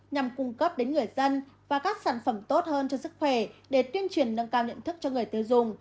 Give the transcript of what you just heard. nhằm cung cấp đến người dân và các sản phẩm tốt hơn cho sức khỏe để tuyên truyền nâng cao nhận thức cho người tiêu dùng